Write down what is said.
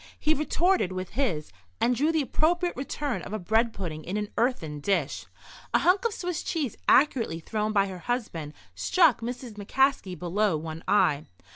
He retorted with this, and drew the appropriate return of a bread pudding in an earthen dish. A hunk of Swiss cheese accurately thrown by her husband struck Mrs. McCaskey below one eye.